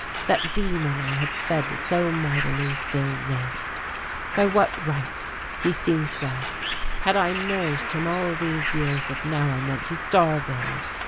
That demon I had fed so mightily still lived. By what right he seemed to ask had I nourished him all these years if now I meant to starve him?